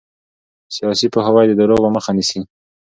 سیاسي پوهاوی د دروغو مخه نیسي